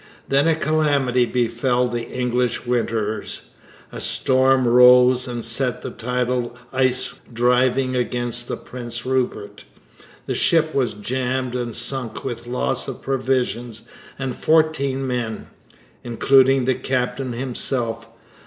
Then a calamity befell the English winterers. A storm rose and set the tidal ice driving against the Prince Rupert. The ship was jammed and sunk with loss of provisions and fourteen men, including the captain himself.